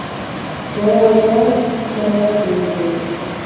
Жалаа жаап, каралап дегендей.